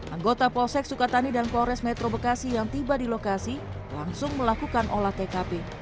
anggota polsek sukatani dan polres metro bekasi yang tiba di lokasi langsung melakukan olah tkp